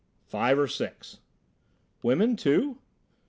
"Five or six." "Women, too?"